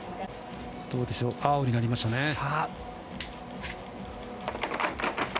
どうでしょう青になりましたね。